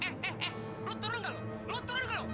eh eh eh lu turun ke lu lu turun ke lu